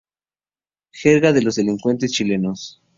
Jerga de los delincuentes chilenos.